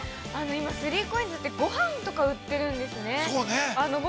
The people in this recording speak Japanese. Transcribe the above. ◆今３ＣＯＩＮＳって、ごはんとか売っているんですね。